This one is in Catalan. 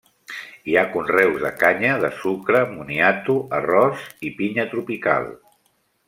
Hi ha conreus de canya de sucre, moniato, arròs, i pinya tropical.